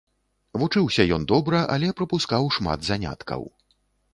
Вучыўся ён добра, але прапускаў шмат заняткаў.